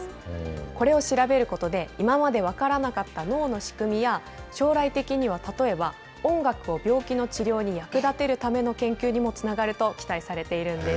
これを調べることで、今まで分からなかった脳の仕組みや、将来的には例えば、音楽を病気の治療に役立てるための研究にもつながると期待されているんです。